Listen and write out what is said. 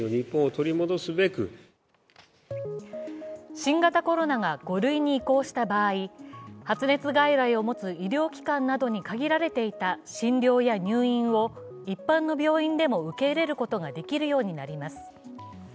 新型コロナが５類に移行した場合、発熱外来を持つ医療機関などに限られていた診療や入院を一般の病院でも受け入れることができるようになります。